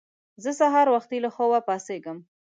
زه سهار وختي له خوبه پاڅېږم